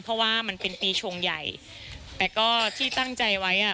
เพราะว่ามันเป็นปีชงใหญ่แต่ก็ที่ตั้งใจไว้อ่ะ